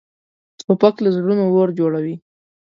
توپک له زړونو اور جوړوي.